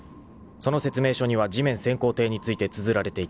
［その説明書には地面潜航艇についてつづられていた］